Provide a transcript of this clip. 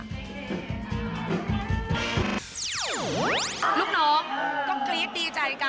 ลูกน้องก็คลิปดีใจกัน